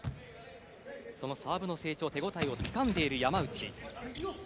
そのサーブの成長手応えをつかんでいる山内。